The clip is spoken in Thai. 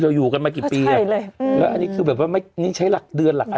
เราอยู่กันมากี่ปีแล้วใช่เลยอืมแล้วอันนี้คือแบบว่าไม่นี่ใช้หลักเดือนหลักอาทิตย์